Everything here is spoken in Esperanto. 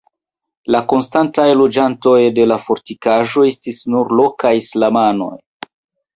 La konstantaj loĝantoj de la fortikaĵo estis nur lokaj islamanoj.